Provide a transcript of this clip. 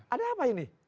ada apa ini